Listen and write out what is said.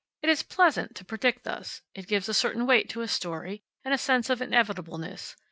It is pleasant to predict thus. It gives a certain weight to a story and a sense of inevitableness.